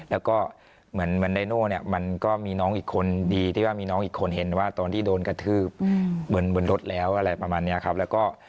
แล้วก็เหมือนวันไดโน่เนี่ยมันก็มีน้องอีกคนดีที่ว่ามีน้องอีกคนเห็นว่าตอนที่โดนกระทืบเหมือนบนรถแล้วอะไรประมาณนี้ครับแล้วก็